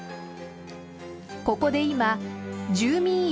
ここで今住民一